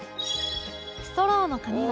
ストローの紙は